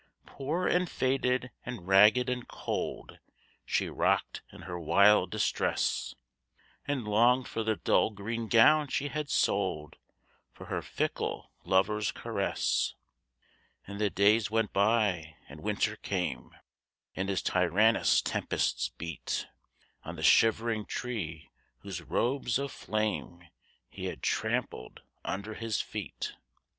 Poor and faded and ragged and cold She rocked in her wild distress, And longed for the dull green gown she had sold For her fickle lover's caress. And the days went by and Winter came, And his tyrannous tempests beat On the shivering tree, whose robes of flame He had trampled under his feet.